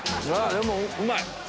でもうまい！